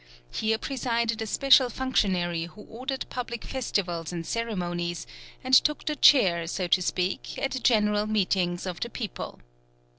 Here presided a special functionary who ordered public festivals and ceremonies, and took the chair, so to speak, at general meetings of the people.